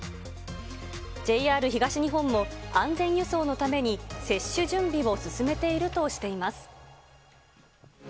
ＪＲ東日本も、安全輸送のために接種準備を進めているとしています。